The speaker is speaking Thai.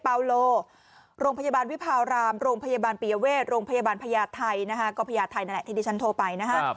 พิราณภาวรามสมิตรเวทพยาทัยท่านที่ชั้นโทรไป